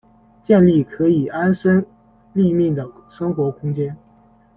建立可以安身立命的生活空间